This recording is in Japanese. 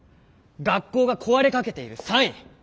学校が壊れかけているサイン。